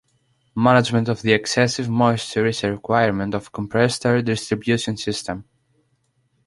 Management of the excessive moisture is a requirement of a compressed air distribution system.